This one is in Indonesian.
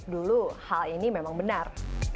dulu hal ini memang benar